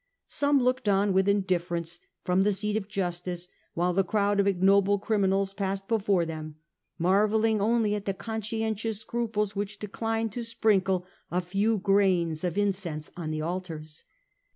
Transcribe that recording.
Some looked on with indifference from the seat of justice while the crowd of ignoble criminals passed before them, marvel ling only at the conscientious scruples which declined to sprinkle a few grains of incense on the altars.